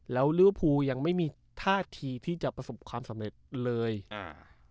แล้วลิเวอร์ภูยังไม่มีท่าทีที่จะประสบความสำเร็จเลยอ่า